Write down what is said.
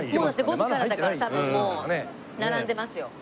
５時からだから多分もう並んでますよ。